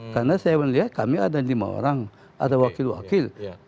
karena saya melihat kami ada lima orang ada wakil wakil